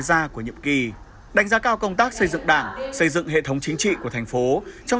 gia của nhiệm kỳ đánh giá cao công tác xây dựng đảng xây dựng hệ thống chính trị của thành phố trong